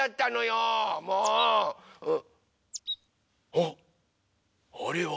・あっあれは。